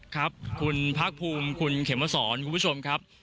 ครับคุณภาคภูมิคุณเขมสอนคุณผู้ชมครับ